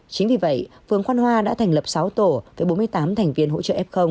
chính vì vậy phường khoan hoa đã thành lập sáu tổ với bốn mươi tám thành viên hỗ trợ f